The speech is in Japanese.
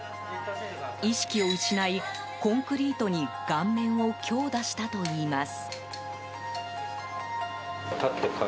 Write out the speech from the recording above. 意識を失い、コンクリートに顔面を強打したといいます。